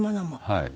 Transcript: はい。